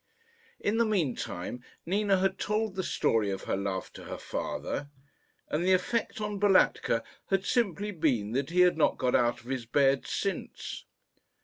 In the mean time Nina had told the story of her love to her father, and the effect on Balatka had simply been that he had not got out of his bed since.